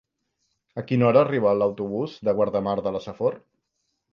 A quina hora arriba l'autobús de Guardamar de la Safor?